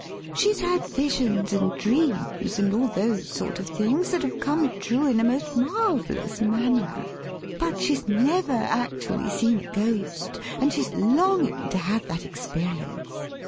She's had visions and dreams, and all those sort of things, that have come true in a most marvellous manner, but she's never actually seen a ghost, and she's longing to have that experience.